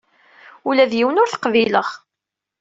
Ula d yiwen ur t-qbileɣ.